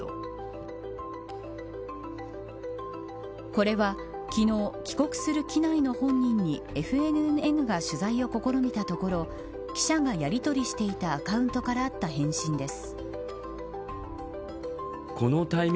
これは、昨日帰国する機内の本人にＦＮＮが取材を試みたところ記者がやりとりしていたアカウントからあった返信です。